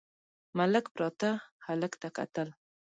ملک پراته هلک ته کتل….